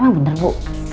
emang bener bu